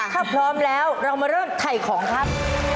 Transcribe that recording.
ถ้าพร้อมแล้วเรามาเริ่มถ่ายของครับ